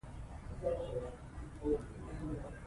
ګاز د افغانستان د ځمکې د جوړښت نښه ده.